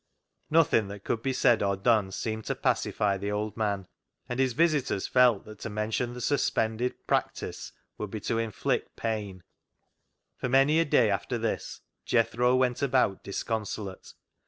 Nothing that could be said or done seemed to pacify the old man, and his visitors felt that to mention the suspended " practice " would be to inflict pain. For many a day after this Jethro went about disconsolate.